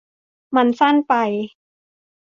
มันสั้นไป